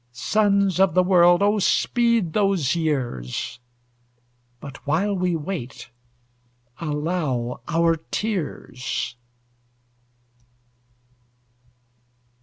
Sons of the world, oh, speed those years; But while we wait, allow our tears!